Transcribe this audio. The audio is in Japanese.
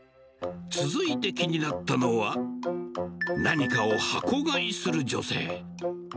続いて気になったのは、何かを箱買いする女性。